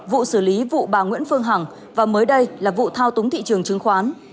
vụ xử lý vụ bà nguyễn phương hằng và mới đây là vụ thao túng thị trường chứng khoán